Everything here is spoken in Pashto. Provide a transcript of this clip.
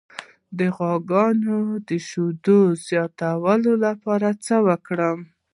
د غواګانو د شیدو زیاتولو لپاره څه وکړم؟